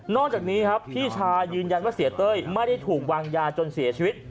จากนี้ครับพี่ชายยืนยันว่าเสียเต้ยไม่ได้ถูกวางยาจนเสียชีวิต